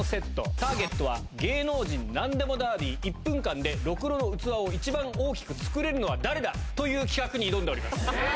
ターゲットは、芸能人なんでもダービー、１分間でろくろの器を一番大きく作れるのは誰だ？という企画に挑んでおります。